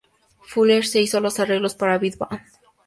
Fuller le hizo los arreglos para "big band.